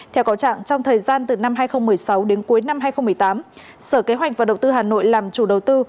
theo cáo trạng trong thời gian từ năm hai nghìn một mươi sáu đến cuối năm hai nghìn một mươi tám sở kế hoạch và đầu tư hà nội làm chủ đầu tư